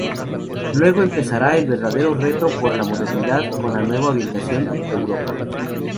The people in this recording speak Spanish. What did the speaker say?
Luego empezará el verdadero reto por la modernidad, con la nueva orientación: Europa.